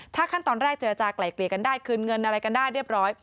ขั้นตอนแรกเจรจากลายเกลี่ยกันได้คืนเงินอะไรกันได้เรียบร้อย